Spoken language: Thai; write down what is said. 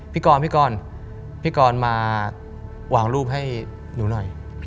พี่กรพี่กรพี่กรมาวางรูปให้หนูหน่อย